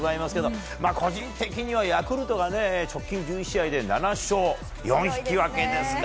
個人的にはヤクルトが直近１１試合で７勝４引き分けですか。